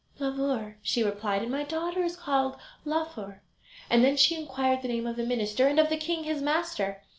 "Blauvor," she replied "and my daughter is called Laufer"; and then she inquired the name of the minister, and of the king his master.